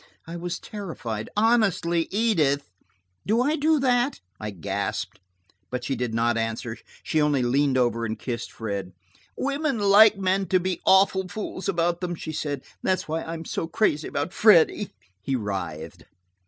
I was terrified. "Honestly, Edith, do I do that?" I gasped. But she did not answer; she only leaned over and kissed Fred. "Women like men to be awful fools about them," she said. "That's why I'm so crazy about Freddie." He writhed.